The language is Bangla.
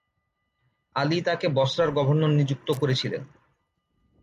আলী তাকে বসরার গভর্নর নিযুক্ত করেছিলেন।